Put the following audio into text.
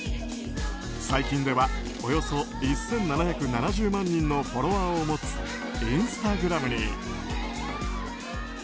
最近では、およそ１７７０万人のフォロワーを持つインスタグラムに。